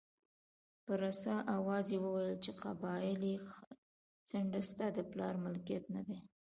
په رسا اواز یې وویل چې قبایلي څنډه ستا د پلار ملکیت نه دی.